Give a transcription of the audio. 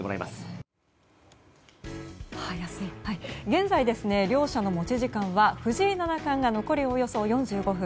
現在、両者の持ち時間は藤井七冠が残りおよそ４５分